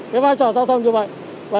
cái vai trò giao thông như vậy